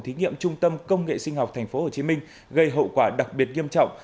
thí nghiệm trung tâm công nghệ sinh học tp hcm gây hậu quả đặc biệt nghiêm trọng